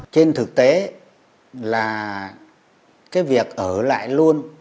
trên thực tế là cái việc ở lại luôn